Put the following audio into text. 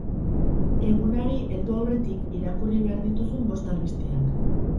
Egunari heldu aurretik irakurri behar dituzun bost albisteak.